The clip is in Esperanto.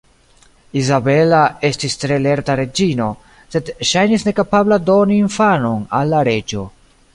Izabela estis tre lerta reĝino, sed ŝajnis nekapabla doni infanon al la reĝo.